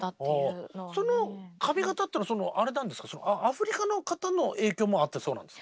その髪形っていうのはアフリカの方の影響もあってそうなんですか？